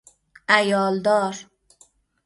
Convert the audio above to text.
عیال دار